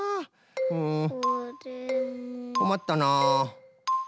うんこまったな。